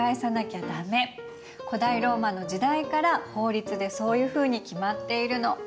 古代ローマの時代から法律でそういうふうに決まっているの。